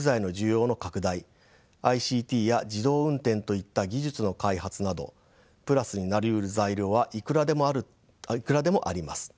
ＩＣＴや自動運転といった技術の開発などプラスになりうる材料はいくらでもあります。